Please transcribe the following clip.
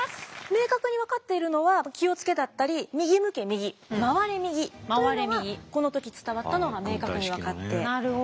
明確に分かっているのは「きをつけ」だったり「右向け右」「回れ右」というのがこの時伝わったのが明確に分かってはい。